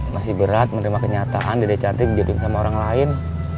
masih berat menerima kenyataan diri cantik jodohin sama orang lain